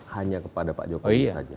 hanya kepada pak jokowi saja